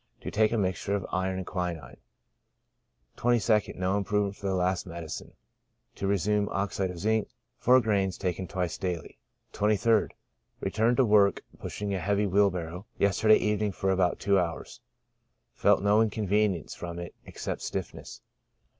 To take a mixture of iron and quinine. 22nd. — No improvement from the last medicine ; to re sume oxide of zinc, gr.iv, bis die. 23rd. — Returned to work (pushing a heavy wheelbarrow) yesterday evening, for about two hours ; felt no incon venience from it except stiffness.